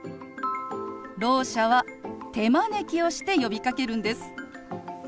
ろう者は手招きをして呼びかけるんです。